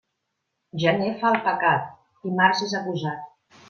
Gener fa el pecat, i març és acusat.